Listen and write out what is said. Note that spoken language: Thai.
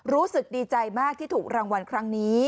รู้สึกดีใจมากที่ถูกรางวัลครั้งนี้